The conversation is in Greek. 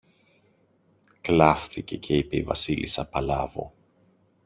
κλαύθηκε και είπε η Βασίλισσα Παλάβω.